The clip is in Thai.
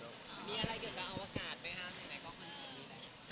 มีอะไรเกี่ยวกับอวกาศไหมฮะในก็ความคิดดีแหละ